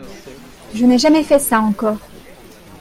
Je n'ai jamais fait ça encore.